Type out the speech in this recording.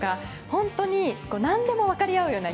本当に何でも分かり合うような。